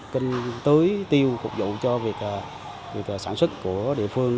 kinh tưới tiêu phục vụ cho việc sản xuất của địa phương